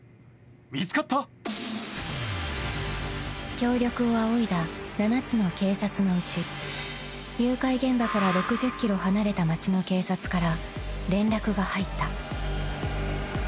☎［協力を仰いだ７つの警察のうち誘拐現場から６０ｋｍ離れた街の警察から連絡が入った］